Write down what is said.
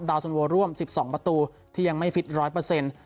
ดาวสนวรรภ์ร่วมสิบสองประตูที่ยังไม่ฟิตร้อยเปอร์เซ็นต์